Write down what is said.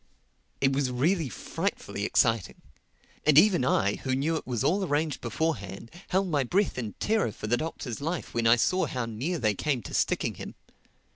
It was really frightfully exciting. And even I, who knew it was all arranged beforehand, held my breath in terror for the Doctor's life when I saw how near they came to sticking him.